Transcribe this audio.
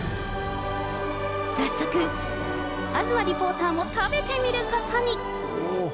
早速、東リポーターも食べてみることに。